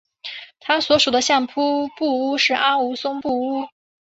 他所属的相扑部屋是阿武松部屋。